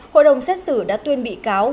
hội đồng xét xử đã tuyên bị cáo